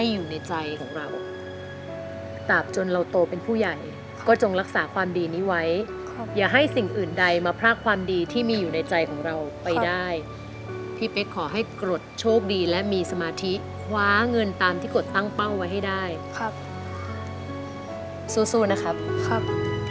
อยู่ในใจของเราตาบจนเราโตเป็นผู้ใหญ่ก็จงรักษาความดีนี้ไว้อย่าให้สิ่งอื่นใดมาพรากความดีที่มีอยู่ในใจของเราไปได้พี่เป๊กขอให้กรดโชคดีและมีสมาธิคว้าเงินตามที่กดตั้งเป้าไว้ให้ได้ครับสู้นะครับครับ